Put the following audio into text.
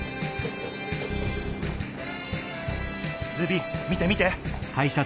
ズビ見て見て！